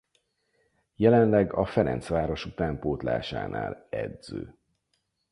Jelenleg a Ferencváros utánpótlásánál edző.